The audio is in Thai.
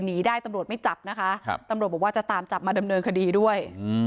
หนีได้ตำรวจไม่จับนะคะตำรวจบอกว่าจะตามจับมาดำเนินคดีด้วย